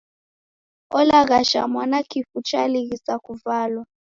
Olaghasha mwana kifu chalighisa kuvalwa.